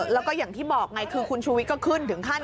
แล้วก็อย่างที่บอกไงคือคุณชูวิทย์ก็ขึ้นถึงขั้น